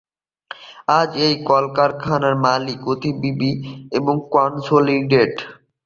আজ এই কারখানার মালিক আতিবিবি-কনসোলিডেটেড।